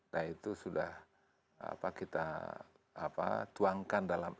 nah itu sudah kita tuangkan dalam